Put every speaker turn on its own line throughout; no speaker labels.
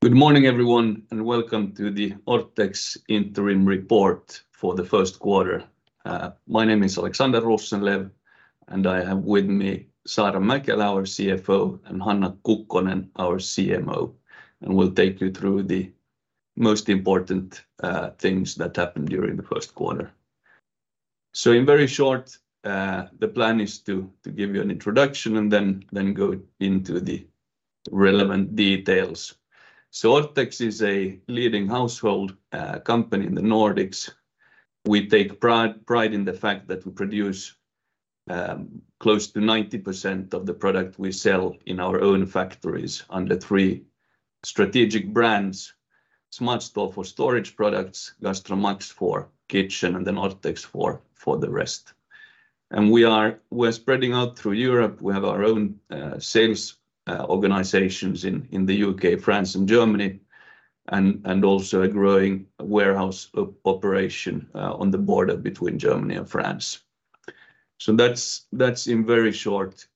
Good morning everyone, and welcome to the Orthex interim report for the first quarter. My name is Alexander Rosenlew, and I have with me Saara Mäkelä, our CFO, and Hanna Kukkonen, our CMO, and we'll take you through the most important things that happened during the first quarter. In very short, the plan is to give you an introduction and then go into the relevant details. Orthex is a leading household company in the Nordics. We take pride in the fact that we produce close to 90% of the product we sell in our own factories under three strategic brands. SmartStore for storage products, GastroMax for kitchen, and then Orthex for the rest. We're spreading out through Europe. We have our own sales organizations in the U.K., France, and Germany, and also a growing warehouse operation on the border between Germany and France. That's in very short,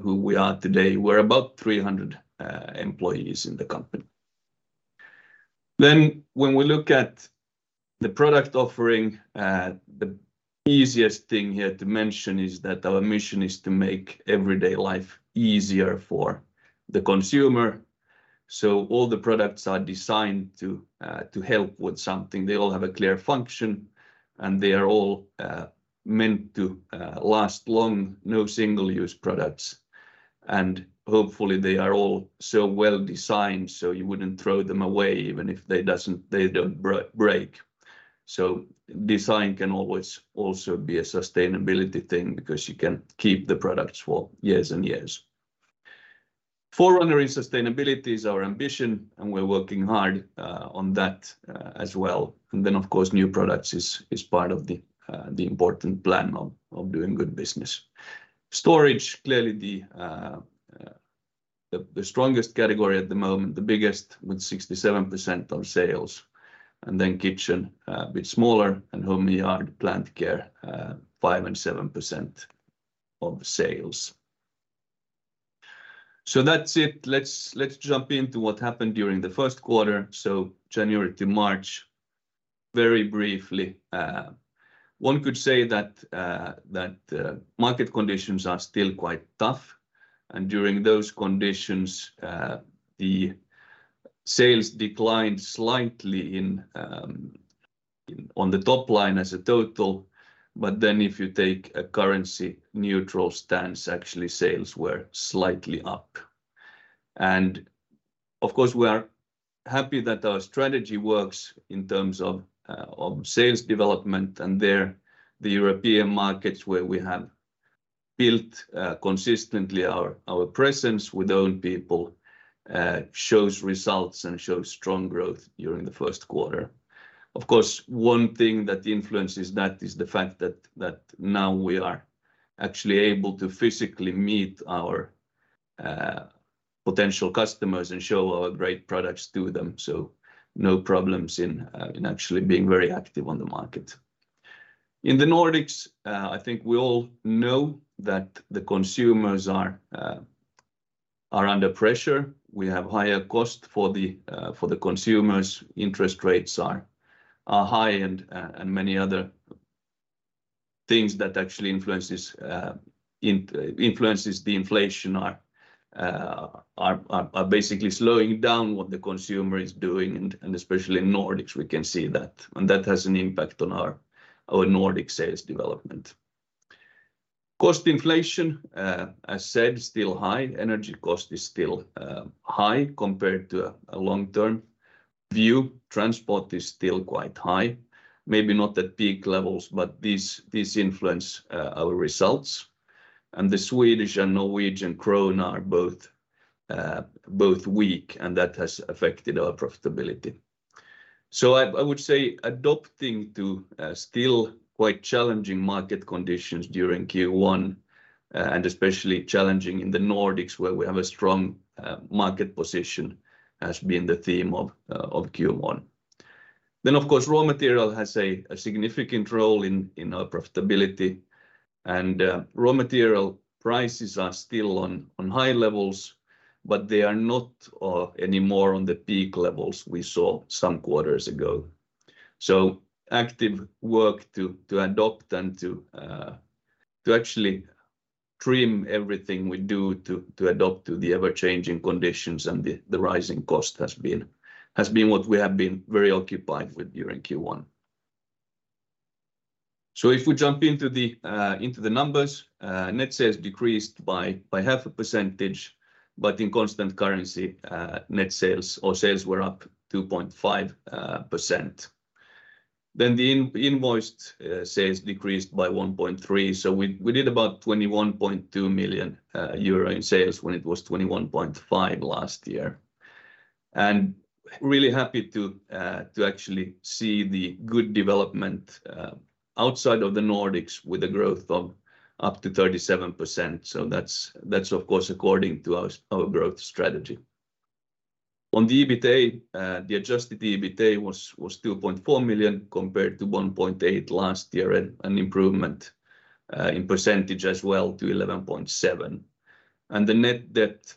who we are today. We're about 300 employees in the company. When we look at the product offering, the easiest thing here to mention is that our mission is to make everyday life easier for the consumer. All the products are designed to help with something. They all have a clear function, and they are all meant to last long. No single-use products. Hopefully, they are all so well-designed, so you wouldn't throw them away even if they don't break. Design can always also be a sustainability thing because you can keep the products for years and years. Forerunner in sustainability is our ambition. We're working hard on that as well. Of course, new products is part of the important plan of doing good business. Storage, clearly the strongest category at the moment, the biggest with 67% of sales. Kitchen, a bit smaller, and home & yard, plant care, 5% and 7% of sales. That's it. Let's jump into what happened during the 1st quarter, so January to March. Very briefly, one could say that market conditions are still quite tough, and during those conditions, the sales declined slightly on the top line as a total. If you take a currency neutral stance, actually sales were slightly up. Of course, we are happy that our strategy works in terms of sales development and there the European markets where we have built consistently our presence with own people shows results and shows strong growth during the first quarter. Of course, one thing that influences that is the fact that now we are actually able to physically meet our potential customers and show our great products to them, so no problems in actually being very active on the market. In the Nordics, I think we all know that the consumers are under pressure. We have higher cost for the consumers. Interest rates are high and many other things that actually influences the inflation are basically slowing down what the consumer is doing, and especially in Nordics we can see that. That has an impact on our Nordic sales development. Cost inflation, as said, still high. Energy cost is still high compared to a long-term view. Transport is still quite high, maybe not at peak levels, but this influence our results. The Swedish and Norwegian crown are both weak, and that has affected our profitability. I would say adopting to still quite challenging market conditions during Q1, and especially challenging in the Nordics where we have a strong market position has been the theme of Q1. Of course, raw material has a significant role in our profitability. Raw material prices are still on high levels, but they are not anymore on the peak levels we saw some quarters ago. Active work to adopt and to actually trim everything we do to adopt to the ever-changing conditions and the rising cost has been what we have been very occupied with during Q1. If we jump into the numbers, net sales decreased by half a percentage, but in constant currency, net sales or sales were up 2.5%. The invoiced sales decreased by 1.3%, we did about 21.2 million euro in sales when it was 21.5 million last year. Really happy to actually see the good development outside of the Nordics with a growth of up to 37%. That's of course according to our growth strategy. On the EBITA, the Adjusted EBITA was 2.4 million compared to 1.8 last year, and an improvement in percentage as well to 11.7%. The net debt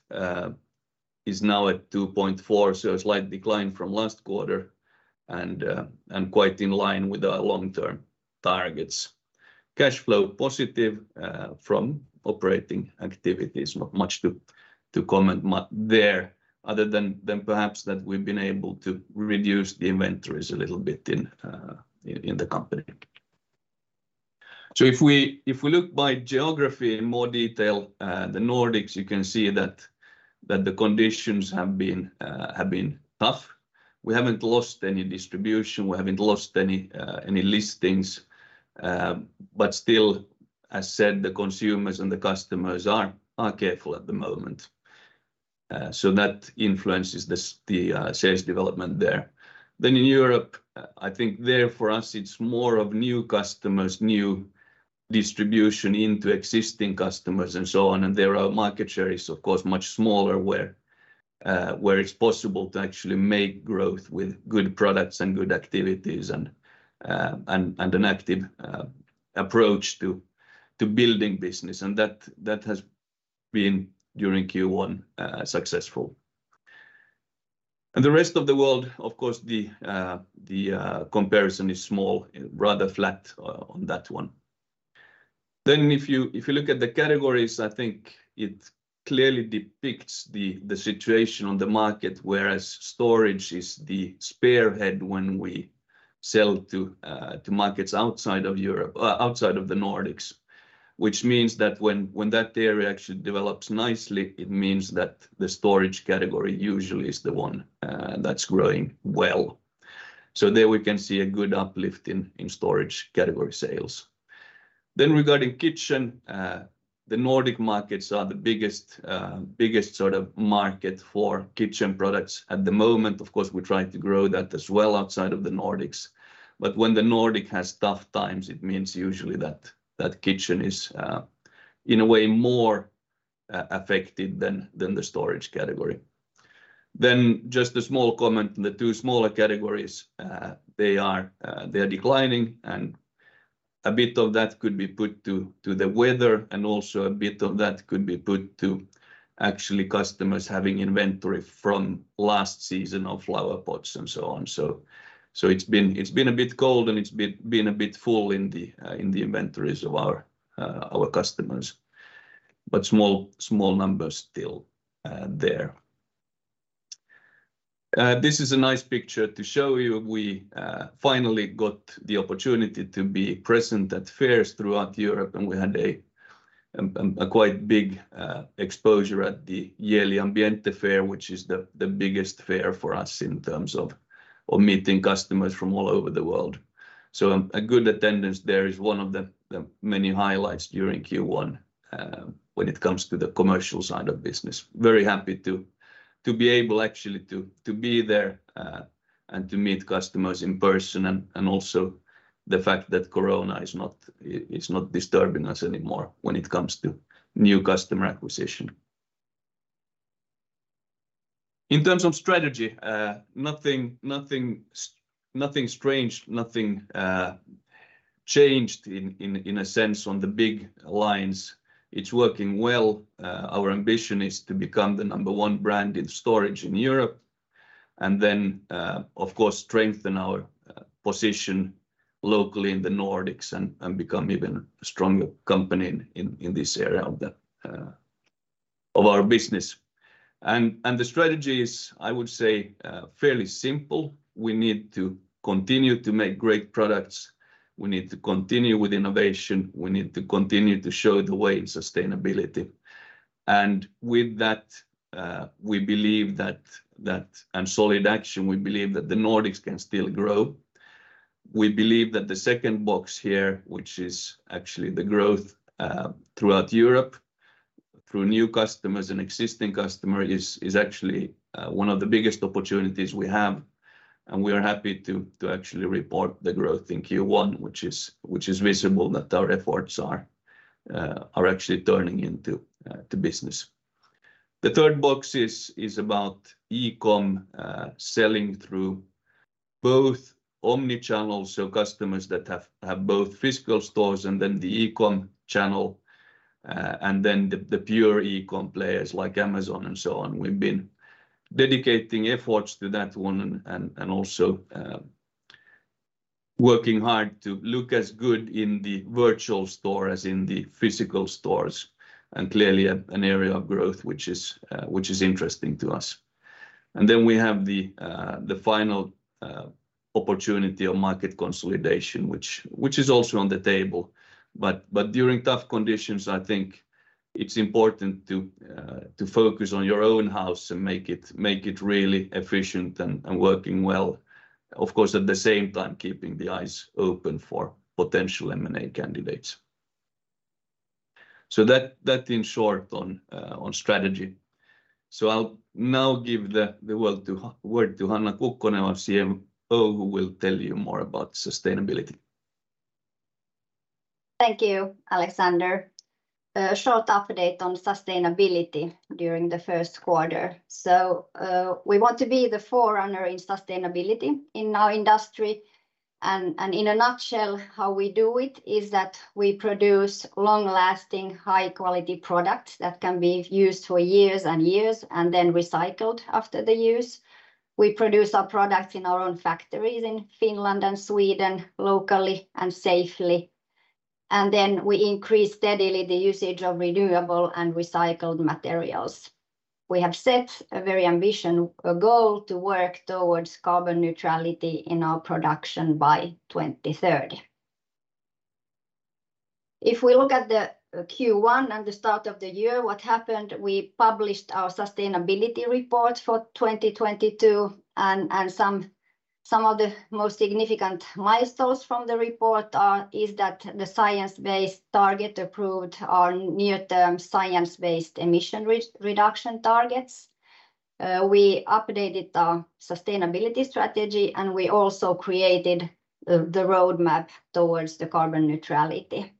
is now at 2.4 million, so a slight decline from last quarter and quite in line with our long-term targets. Cash flow positive from operating activities. Not much to comment there other than perhaps that we've been able to reduce the inventories a little bit in the company. If we look by geography in more detail, the Nordics, you can see that the conditions have been tough. We haven't lost any distribution. We haven't lost any listings. Still, as said, the consumers and the customers are careful at the moment. That influences the sales development there. In Europe, I think there for us it's more of new customers, new distribution into existing customers and so on, and there our market share is of course much smaller where it's possible to actually make growth with good products and good activities and an active approach to building business. That has been during Q1 successful. The rest of the world, of course, the comparison is small and rather flat on that one. If you look at the categories, I think it clearly depicts the situation on the market, whereas storage is the spearhead when we sell to markets outside of Europe, outside of the Nordics. Which means that when that area actually develops nicely, it means that the storage category usually is the one that's growing well. There we can see a good uplift in storage category sales. Regarding kitchen, the Nordic markets are the biggest sort of market for kitchen products at the moment. Of course, we're trying to grow that as well outside of the Nordics. When the Nordic has tough times, it means usually that kitchen is in a way more affected than the storage category. Just a small comment on the two smaller categories. They are declining, and a bit of that could be put to the weather and also a bit of that could be put to actually customers having inventory from last season of flower pots and so on. It's been a bit cold and it's been a bit full in the inventories of our customers. Small numbers still there. This is a nice picture to show you. We finally got the opportunity to be present at fairs throughout Europe and we had a quite big exposure at the Ambiente Fair, which is the biggest fair for us in terms of meeting customers from all over the world. A good attendance there is one of the many highlights during Q1 when it comes to the commercial side of business. Very happy to be able actually to be there and to meet customers in person and also the fact that corona is not disturbing us anymore when it comes to new customer acquisition. In terms of strategy, nothing strange, nothing changed in a sense on the big lines. It's working well. Our ambition is to become the number one brand in storage in Europe and then, of course strengthen our position locally in the Nordics and become even a stronger company in this area of the, of our business. The strategy is, I would say, fairly simple. We need to continue to make great products. We need to continue with innovation. We need to continue to show the way in sustainability. With that, we believe that and solid action, we believe that the Nordics can still grow. We believe that the second box here, which is actually the growth throughout Europe through new customers and existing customer is actually, one of the biggest opportunities we have. We are happy to actually report the growth in Q1, which is visible that our efforts are actually turning into to business. The third box is about e-com selling through both omnichannels, so customers that have both physical stores and then the e-com channel, and then the pure e-com players like Amazon and so on. We've been dedicating efforts to that one and also working hard to look as good in the virtual store as in the physical stores. Clearly an area of growth which is interesting to us. Then we have the final opportunity of market consolidation which is also on the table. During tough conditions I think it's important to focus on your own house and make it really efficient and working well. Of course at the same time keeping the eyes open for potential M&A candidates. That in short on strategy. I'll now give the word to Hanna Kukkonen, our CMO, who will tell you more about sustainability.
Thank you, Alexander. A short update on sustainability during the first quarter. We want to be the forerunner in sustainability in our industry. In a nutshell, how we do it is that we produce long-lasting, high-quality products that can be used for years and years, and then recycled after the use. We produce our products in our own factories in Finland and Sweden locally and safely, and then we increase steadily the usage of renewable and recycled materials. We have set a very goal to work towards carbon neutrality in our production by 2030. If we look at the Q1 and the start of the year, what happened, we published our sustainability report for 2022, some of the most significant milestones from the report are is that the Science Based Targets approved our near-term science-based emission reduction targets. We updated our sustainability strategy, and we also created the roadmap towards the carbon neutrality.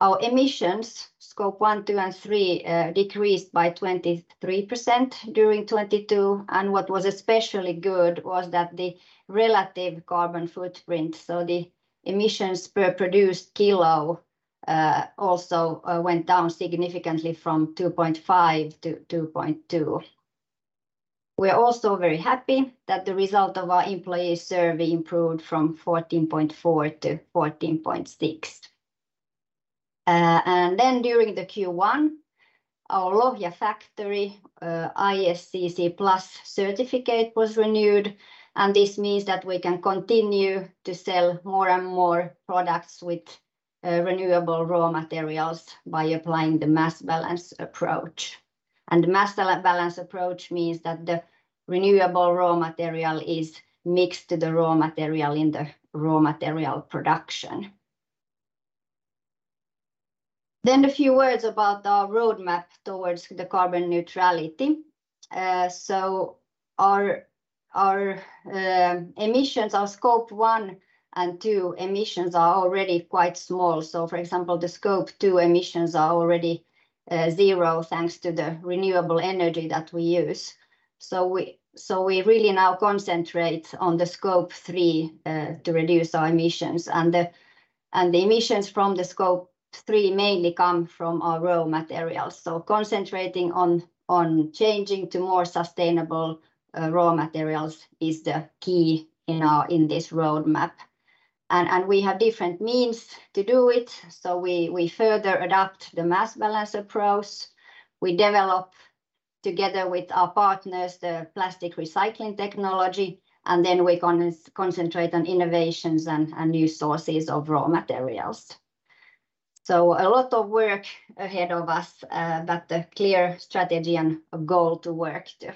Our emissions, Scope 1, 2, and 3, decreased by 23% during 2022. What was especially good was that the relative carbon footprint, so the emissions per produced kilo, also went down significantly from 2.5 to 2.2. We're also very happy that the result of our employee survey improved from 14.4 to 14.6. During the Q1, our Lohja factory ISCC PLUS certificate was renewed, and this means that we can continue to sell more and more products with renewable raw materials by applying the mass balance approach. Mass balance approach means that the renewable raw material is mixed to the raw material in the raw material production. A few words about our roadmap towards the carbon neutrality. Our emissions, our Scope 1 and 2 emissions are already quite small. For example, the Scope 2 emissions are already zero, thanks to the renewable energy that we use. We really now concentrate on the Scope 3 to reduce our emissions. The emissions from the Scope 3 mainly come from our raw materials. Concentrating on changing to more sustainable raw materials is the key in this roadmap. We have different means to do it. We further adopt the mass balance approach. We develop together with our partners the plastic recycling technology, and then we concentrate on innovations and new sources of raw materials. A lot of work ahead of us, but a clear strategy and a goal to work to.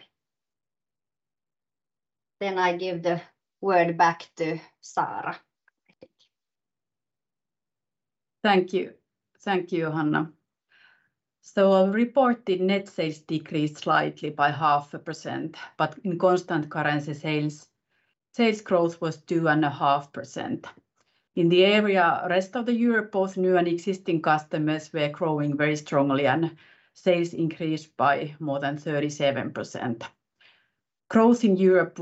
I give the word back to Saara, I think.
Thank you. Thank you, Hanna. Our reported net sales decreased slightly by 0.5%, but in constant currency sales growth was 2.5%. In the area rest of the Europe, both new and existing customers were growing very strongly, and sales increased by more than 37%. Growth in Europe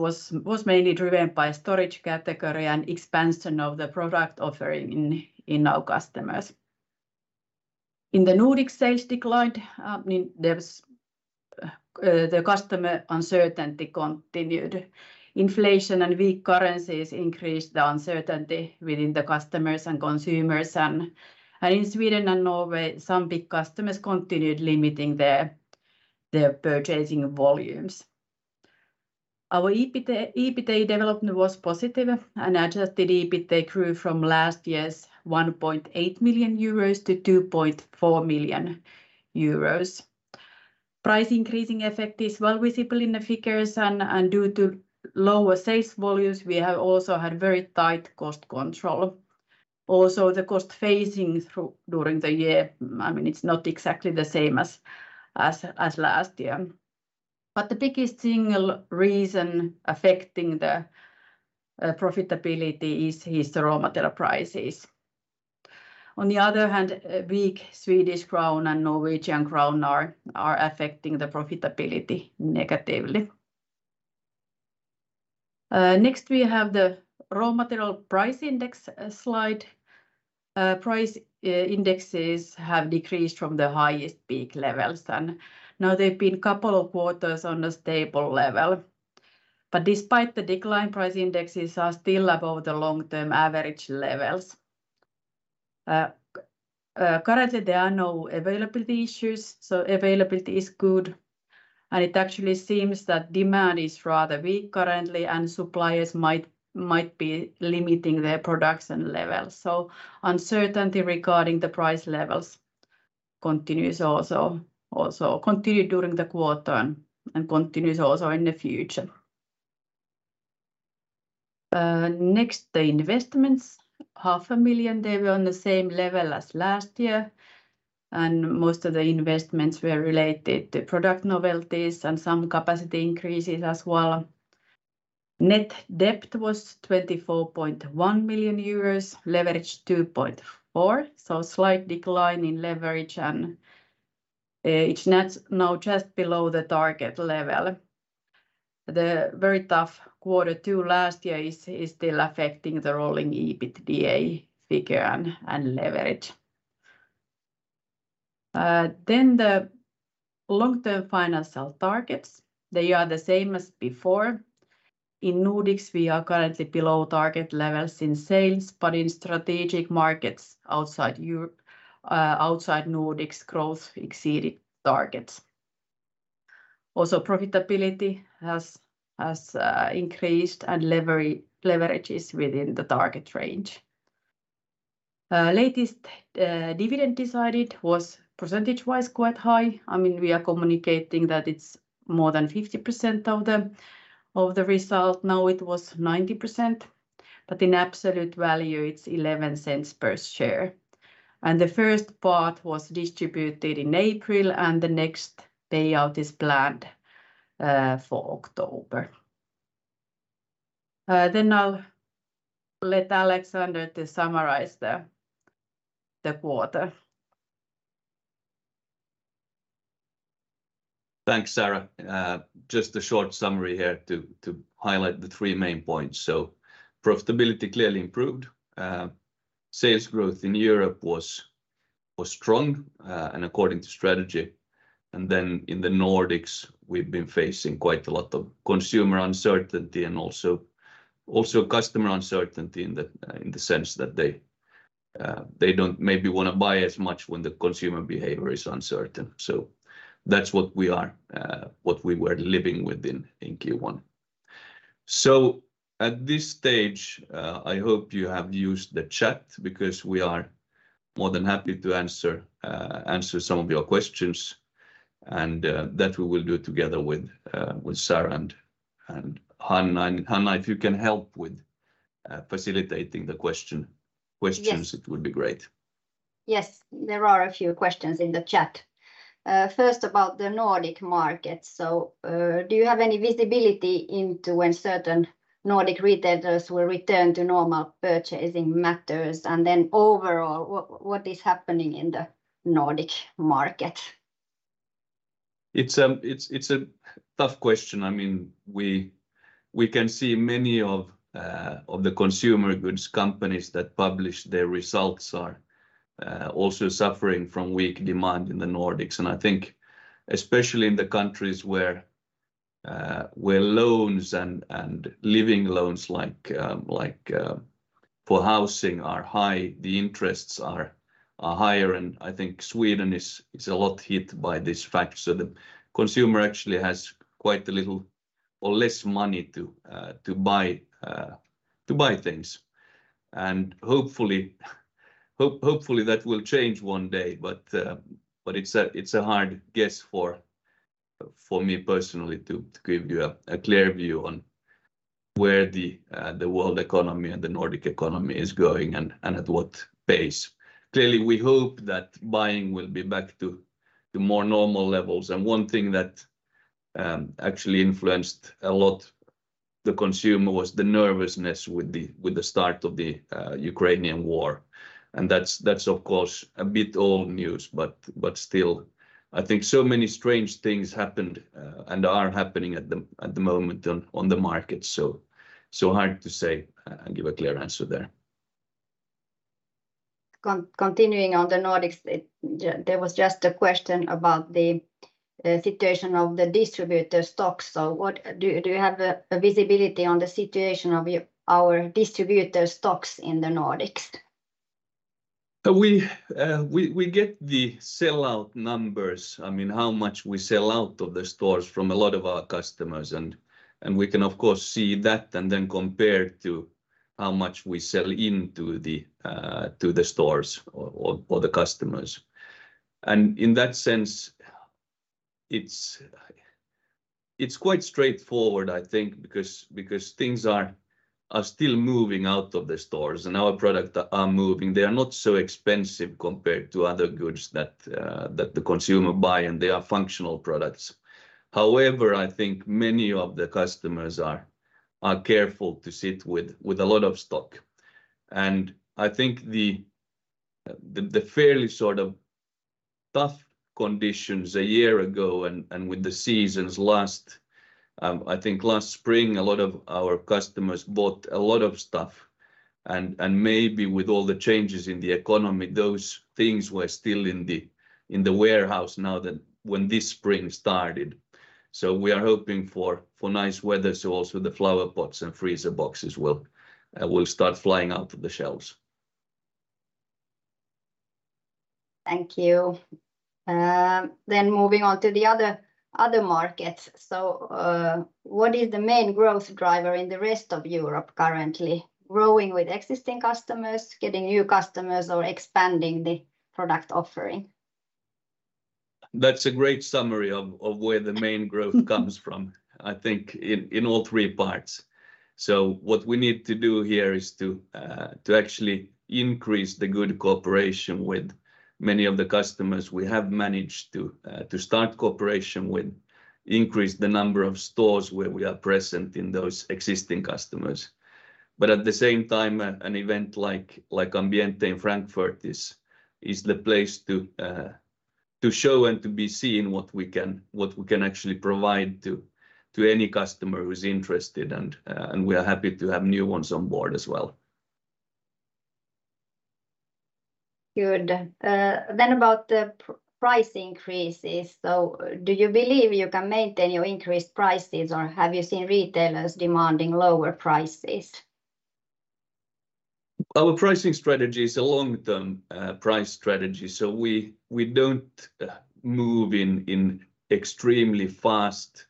was mainly driven by storage category and expansion of the product offering in our customers. In the Nordics, sales declined, the customer uncertainty continued. Inflation and weak currencies increased the uncertainty within the customers and consumers and in Sweden and Norway, some big customers continued limiting their purchasing volumes. Our EBITA development was positive, Adjusted EBITA grew from last year's 1.8 million euros to 2.4 million euros. Price increasing effect is well visible in the figures, and due to lower sales volumes, we have also had very tight cost control. Also, the cost phasing through during the year, I mean, it's not exactly the same as last year. The biggest single reason affecting the profitability is the raw material prices. On the other hand, a weak Swedish crown and Norwegian crown are affecting the profitability negatively. Next we have the raw material price index slide. Price indexes have decreased from the highest peak levels, and now they've been couple of quarters on a stable level. Despite the decline, price indexes are still above the long-term average levels. Currently there are no availability issues, so availability is good, and it actually seems that demand is rather weak currently, and suppliers might be limiting their production levels. Uncertainty regarding the price levels continues also continued during the quarter and continues also in the future. Next, the investments. 500,000, they were on the same level as last year, and most of the investments were related to product novelties and some capacity increases as well. Net debt was 24.1 million euros, leverage 2.4, so slight decline in leverage and now just below the target level. The very tough quarter two last year is still affecting the rolling EBITDA figure and leverage. The long-term financial targets, they are the same as before. In Nordics, we are currently below target levels in sales, but in strategic markets outside Nordics growth exceeded targets. Also, profitability has increased and leverage is within the target range. Latest dividend decided was percentage-wise quite high. I mean, we are communicating that it's more than 50% of the result. Now it was 90%, but in absolute value, it's 0.11 per share. The first part was distributed in April, and the next payout is planned for October. I'll let Alexander to summarize the quarter.
Thanks, Saara. Just a short summary here to highlight the three main points. Profitability clearly improved. Sales growth in Europe was strong and according to strategy. In the Nordics, we've been facing quite a lot of consumer uncertainty and also customer uncertainty in the sense that they don't maybe wanna buy as much when the consumer behavior is uncertain. That's what we were living within in Q1. At this stage, I hope you have used the chat because we are more than happy to answer some of your questions. That we will do together with Saara and Hanna. Hanna, if you can help with facilitating the questions.
Yes
It would be great.
Yes. There are a few questions in the chat. First about the Nordic market. Do you have any visibility into when certain Nordic retailers will return to normal purchasing matters? Overall, what is happening in the Nordic market?
It's, it's a tough question. I mean, we can see many of the consumer goods companies that publish their results are also suffering from weak demand in the Nordics. I think especially in the countries where loans and living loans like for housing are high, the interests are higher. I think Sweden is a lot hit by this fact. The consumer actually has quite a little or less money to buy, to buy things. Hopefully, that will change one day. It's a, it's a hard guess for me personally to give you a clear view on where the world economy and the Nordic economy is going and at what pace. Clearly, we hope that buying will be back to more normal levels. One thing that actually influenced a lot the consumer was the nervousness with the start of the Russo-Ukrainian War. That's of course a bit old news, still, I think so many strange things happened and are happening at the moment on the market. Hard to say and give a clear answer there.
Continuing on the Nordics. There was just a question about the situation of the distributor stocks. Do you have a visibility on the situation of our distributor stocks in the Nordics?
We get the sell-out numbers, I mean, how much we sell out of the stores from a lot of our customers and we can of course see that and then compare to how much we sell into the to the stores or the customers. In that sense, it's quite straightforward I think because things are still moving out of the stores and our product are moving. They are not so expensive compared to other goods that the consumer buy, and they are functional products. However, I think many of the customers are careful to sit with a lot of stock. I think the fairly sort of tough conditions a year-ago and with the seasons last I think last spring, a lot of our customers bought a lot of stuff. Maybe with all the changes in the economy, those things were still in the warehouse when this spring started. We are hoping for nice weather, so also the flower pots and freezer boxes will start flying out of the shelves.
Thank you. Moving on to the other markets. What is the main growth driver in the rest of Europe currently? Growing with existing customers, getting new customers or expanding the product offering?
That's a great summary of where the main growth comes from, I think in all three parts. What we need to do here is to actually increase the good cooperation with many of the customers we have managed to start cooperation with, increase the number of stores where we are present in those existing customers. At the same time, an event like Ambiente in Frankfurt is the place to show and to be seen what we can actually provide to any customer who's interested, and we are happy to have new ones on board as well.
Good. About the price increases. Do you believe you can maintain your increased prices or have you seen retailers demanding lower prices?
Our pricing strategy is a long-term price strategy. We don't move in extremely fast,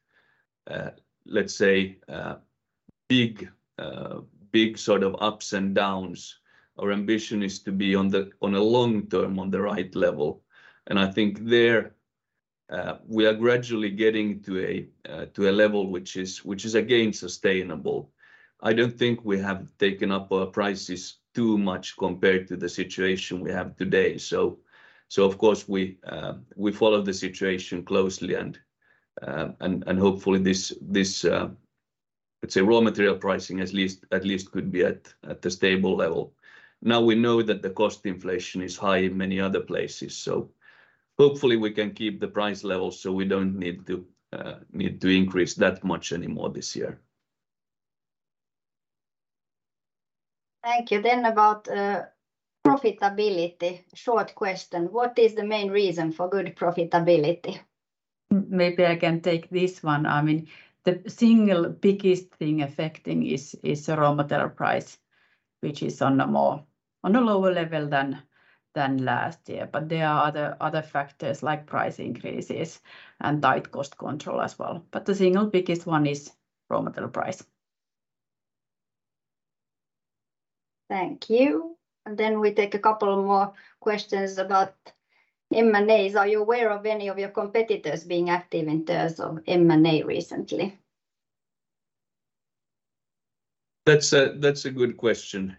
let's say, big sort of ups and downs. Our ambition is to be on a long-term, on the right level. I think there we are gradually getting to a level which is again sustainable. I don't think we have taken up our prices too much compared to the situation we have today. Of course, we follow the situation closely and hopefully this, let's say, raw material pricing at least could be at a stable level. We know that the cost inflation is high in many other places. Hopefully we can keep the price levels so we don't need to increase that much anymore this year.
Thank you. About, profitability. Short question: What is the main reason for good profitability?
Maybe I can take this one. I mean, the single biggest thing affecting is the raw material price, which is on a lower level than last year. There are other factors like price increases and tight cost control as well. The single biggest one is raw material price.
Thank you. Then we take a couple more questions about M&As. Are you aware of any of your competitors being active in terms of M&A recently?
That's a good question.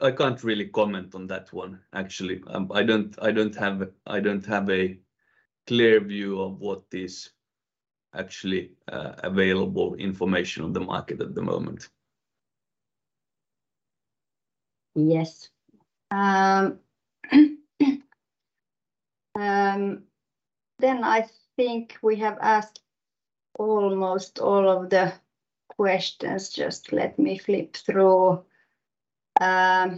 I can't really comment on that one, actually. I don't have a clear view of what is actually available information on the market at the moment.
Yes. I think we have asked almost all of the questions. Just let me flip through. I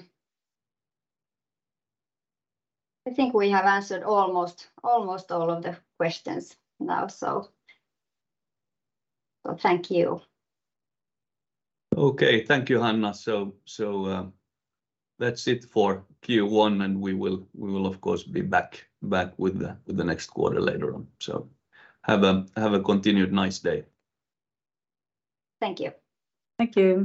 think we have answered almost all of the questions now, so. Thank you.
Okay. Thank you, Hanna. That's it for Q1 and we will of course be back with the next quarter later on. Have a continued nice day.
Thank you.
Thank you.